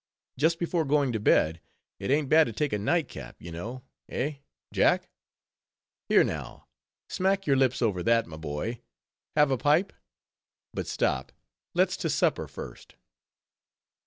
Just before going to bed, it ain't bad to take a nightcap, you know; eh! Jack?—here now, smack your lips over that, my boy—have a pipe?—but stop, let's to supper first."